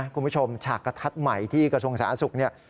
ฉากกระทัดใหม่ที่กระทรวงสาธารณสุขเนี่ย